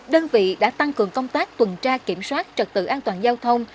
đơn vị đã tăng cường công tác tuần tra kiểm soát trật tự an toàn giao thông